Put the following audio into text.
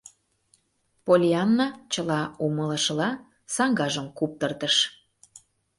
Поллианна чыла умылышыла саҥгажым куптыртыш.